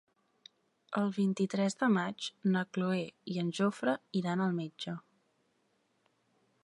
El vint-i-tres de maig na Cloè i en Jofre iran al metge.